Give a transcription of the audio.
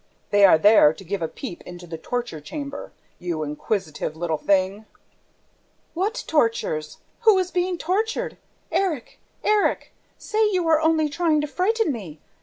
... They are there to give a peep into the torture chamber ... you inquisitive little thing!" "What tortures? ... Who is being tortured? ... Erik, Erik, say you are only trying to frighten me!